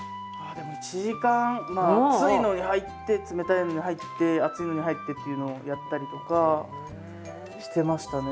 でも１時間まあ熱いのに入って冷たいのに入って熱いのに入ってっていうのをやったりとかしてましたね。